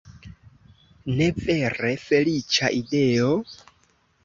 Ne vere, feliĉa ideo?